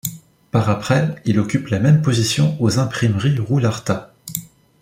Par après, il occupe la même position aux imprimeries Roularta.